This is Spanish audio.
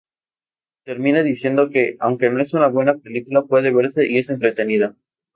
Termina diciendo que, aunque no es una buena película, puede verse y es entretenida.